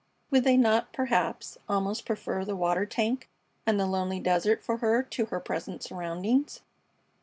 Would they not, perhaps, almost prefer the water tank and the lonely desert for her to her present surroundings?